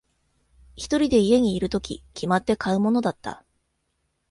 一人で家にいるとき、決まって買うものだった。